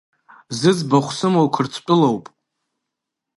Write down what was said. Зыӡбахә сымоу Қырҭтәылоуп.